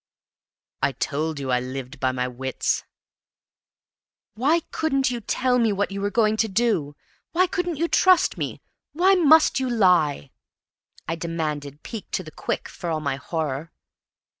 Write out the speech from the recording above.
"I told you I lived by my wits." "Why couldn't you tell me what you were going to do? Why couldn't you trust me? Why must you lie?" I demanded, piqued to the quick for all my horror.